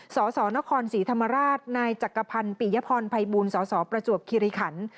สสนครศรีธรรมราชนายจักรพันธ์ปิยพรภัยบูลสสประจวบคิริขัน